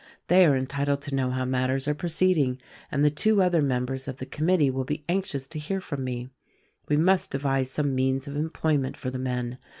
They are entitled to know how matters are proceeding, and the two other members of the committee will be anxious to hear from me. We must devise some means of employment for the men.